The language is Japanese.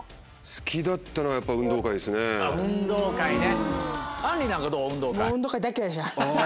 好きだったのはやっぱ運動会ですね。